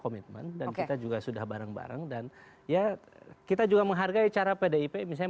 komitmen dan kita juga sudah bareng bareng dan ya kita juga menghargai cara pdip misalnya